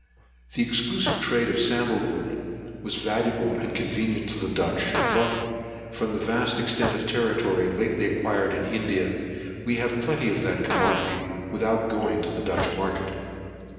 The exclusive trade of sandlewood was valuable and convenient to the Dutch; but, from the vast extent of territory lately acquired in India, we have plenty of that commodity without going to the Dutch market.